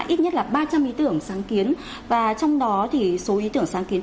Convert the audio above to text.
ít nhất là ba trăm linh ý tưởng sáng kiến và trong đó thì số ý tưởng sáng kiến